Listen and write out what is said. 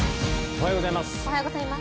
おはようございます。